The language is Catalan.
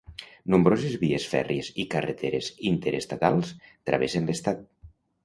Nombroses vies fèrries i carreteres interestatals travessen l'estat.